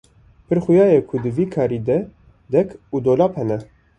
Pir xuya ye ku di vî karî de dek û dolap hene.